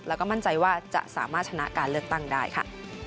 แล้วก็มั่นใจว่าจะสามารถชนะการเลือกตั้งได้ค่ะ